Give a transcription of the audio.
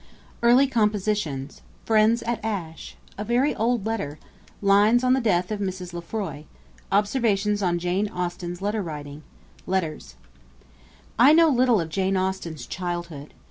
_Early Compositions Friends at Ashe A very old Letter Lines on the Death of Mrs. Lefroy Observations on Jane Austen's Letter writing Letters_. I know little of Jane Austen's childhood.